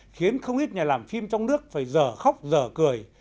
khiến không ít nhà làm phim trong nước phải giờ khóc giờ cười